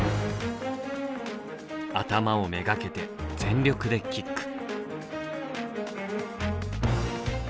頭を目がけて全力でキック。